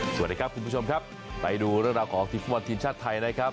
สวัสดีครับคุณผู้ชมครับไปดูเรื่องราวของทีมฟุตบอลทีมชาติไทยนะครับ